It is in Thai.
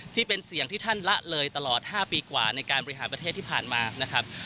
ที่เป็นเสียงที่ท่านละเลยตลอด๕ปีกว่าในการบริหารประเทศที่ผ่านมานะครับ